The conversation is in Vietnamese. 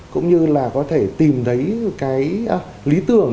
cũng như là có thể tìm thấy lý tưởng